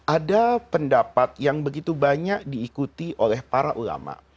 ada pendapat yang begitu banyak diikuti oleh para ulama